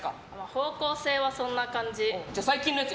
方向性はそんな感じ。